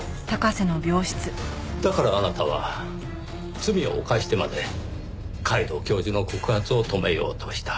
だからあなたは罪を犯してまで皆藤教授の告発を止めようとした。